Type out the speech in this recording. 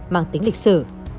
mang tính lịch sử